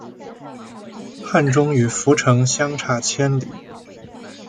汉中与涪城相差千里。